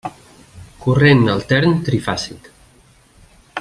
Corrent altern trifàsic.